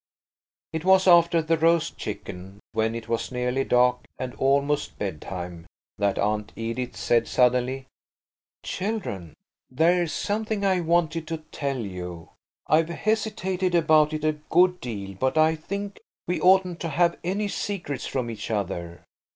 It was after the roast chicken, when it was nearly dark and almost bedtime, that Aunt Edith said, suddenly– "Children, there's something I wanted to tell you. I've hesitated about it a good deal, but I think we oughtn't to have any secrets from each other."